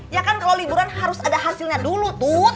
ya kan kalau liburan harus ada hasilnya dulu tuh